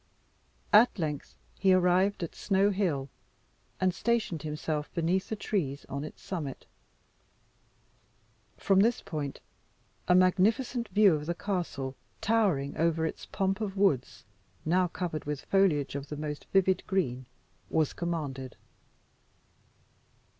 At length he arrived at Snow Hill, and stationed himself beneath the trees on its summit. From this point a magnificent view of the castle, towering over its pomp of woods, now covered with foliage of the most vivid green, was commanded.